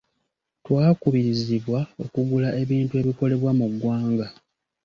twakubirizibwa okugula ebintu ebikolebwa mu ggwanga.